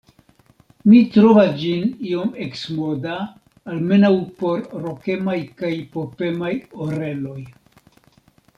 Mi trovas ĝin iom eksmoda, almenaŭ por rokemaj kaj popemaj oreloj.